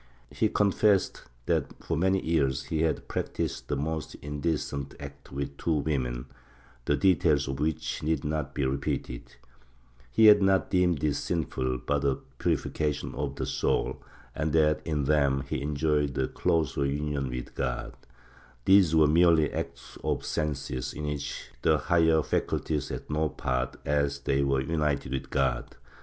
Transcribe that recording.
He confessed that for many years he had practised the most indecent acts with two women, the details of which need not be repeated; he had not deemed this sinful, but a purification of the soul and that in them he enjoyed a closer union with God ; these were merely acts of the senses, in which the higher faculties had no part, as they were united with God.